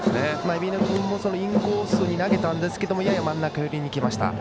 海老根君にもインコースに投げたんですがやや真ん中寄りに来ました。